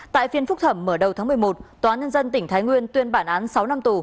tại phiên phúc thẩm mở đầu tháng một mươi một tòa nhân dân tỉnh thái nguyên tuyên bản án sáu năm tù